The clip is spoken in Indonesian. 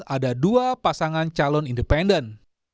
ada dua pasangan calon independen